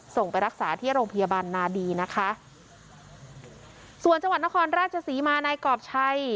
ไปรักษาที่โรงพยาบาลนาดีนะคะส่วนจังหวัดนครราชศรีมานายกรอบชัย